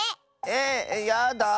えやだあ。